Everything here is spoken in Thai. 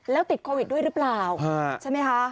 แล้วติดโควิดด้วยหรือเปล่าใช่ไหมคะ